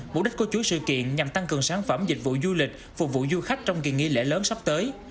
mục đích của chuỗi sự kiện nhằm tăng cường sản phẩm dịch vụ du lịch phục vụ du khách trong kỳ nghỉ lễ lớn sắp tới